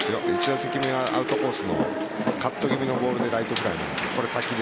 １打席目はアウトコースのカット気味のボールでライトフライ。